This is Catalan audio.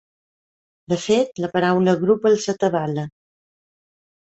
De fet, la paraula grup els atabala.